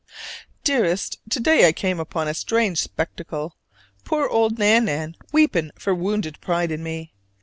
Dearest: To day I came upon a strange spectacle: poor old Nan nan weeping for wounded pride in me.